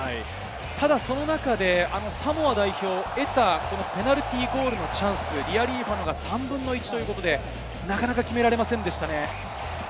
ただ、その中でサモア代表は得たペナルティーゴールのチャンス、リアリーファノが３分の１という確率で、なかなか決められませんでしたね。